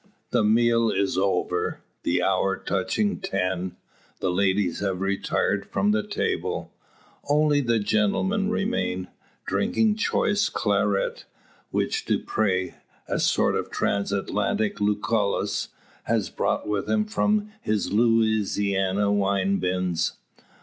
The meal is over, the hour touching ten, the ladies have retired from the table, only the gentlemen remain, drinking choice claret, which Dupre, a sort of Transatlantic Lucullus, has brought with him from his Louisiana wine bins.